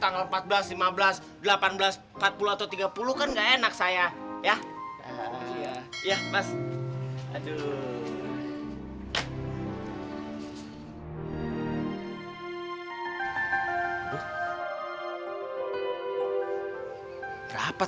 tanggal empat belas lima belas delapan belas empat puluh atau tiga puluh kan gak enak saya ya mas aduh